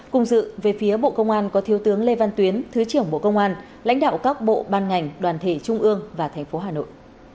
cùng dự về phía bộ công an có thiếu tướng lê văn tuyến thứ trưởng bộ công an lãnh đạo các bộ ban ngành đoàn thể trung ương và thành phố hà nội